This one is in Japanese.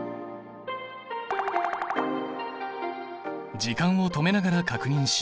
時間を止めながら確認しよう。